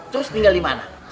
terus tinggal di mana